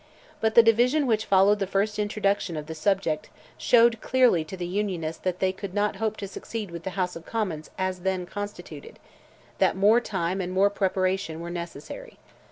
But the division which followed the first introduction of the subject showed clearly to the Unionists that they could not hope to succeed with the House of Commons as then constituted; that more time and more preparation were necessary.